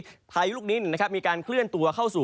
พายุลูกนี้มีการเคลื่อนตัวเข้าสู่